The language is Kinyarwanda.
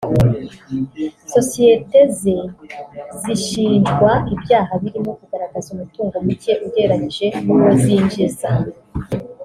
sosiyete ze zishinjwa ibyaha birimo kugaragaza umutungo muke ugereranije n’uwo zinjiza